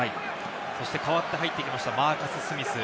代わって入ってきましたマーカス・スミス。